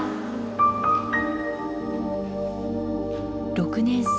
６年生